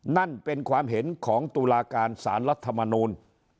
นั่นเป็นความเห็นของตุลาการสารรัฐมนูล